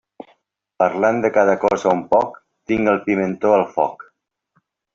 Parlant de cada cosa un poc, tinc el pimentó al foc.